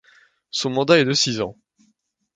Son mandat est de six ans.